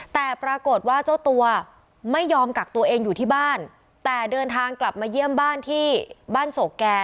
แต่ปรากฏว่าเจ้าตัวไม่ยอมกักตัวเองอยู่ที่บ้านแต่เดินทางกลับมาเยี่ยมบ้านที่บ้านโศกแก่